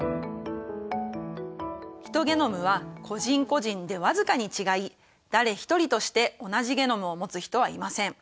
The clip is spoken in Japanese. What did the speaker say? ヒトゲノムは個人個人で僅かに違い誰ひとりとして同じゲノムを持つ人はいません。